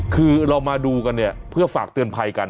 คือเรามาดูกันเนี่ยเพื่อฝากเตือนภัยกัน